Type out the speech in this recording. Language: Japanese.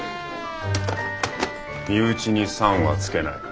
身内に「さん」は付けない。